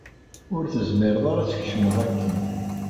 Ur tezmireḍ ara ad tkecmeḍ akken.